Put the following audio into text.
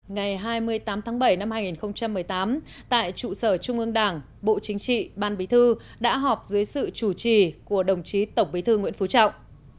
ngày hai mươi tám tháng bảy năm hai nghìn một mươi tám tại trụ sở trung ương đảng bộ chính trị ban bí thư đã họp dưới sự chủ trì của đồng chí tổng bí thư nguyễn phú trọng